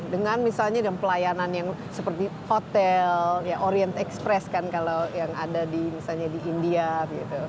dengan misalnya dan pelayanan yang seperti hotel oriend express kan kalau yang ada di misalnya di india gitu